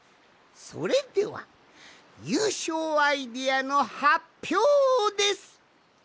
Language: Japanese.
それではゆうしょうアイデアのはっぴょうです。